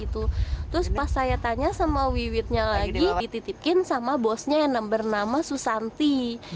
terus pas saya tanya sama wiwitnya lagi dititipin sama bosnya yang bernama susanti